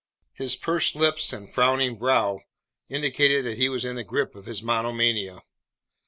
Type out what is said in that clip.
His pursed lips and frowning brow indicated that he was in the grip of his monomania.